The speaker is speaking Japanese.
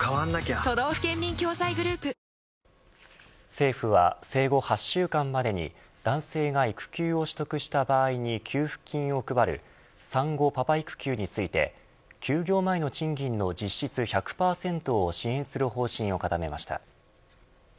政府は生後８週間までに男性が育休を取得した場合に給付金を配る産後パパ育休について休業前の賃金の実質１００％を支援する方針を固めました。